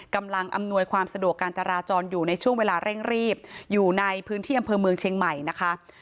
กำลังอำนวยความสะดวกการจราจรอยู่ในช่วงเวลาเร่งรีบอยู่ในพื้นที่อำเภอเมืองเชียงใหม่นะคะ